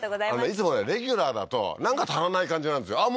いつもねレギュラーだとなんか足らない感じなんですよあっ